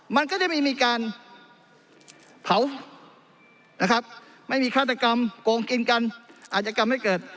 มันก็จะไม่มีการเผานะครับไม่มีฆาตกรรมโกงกินกันอาจจะทำให้เกิด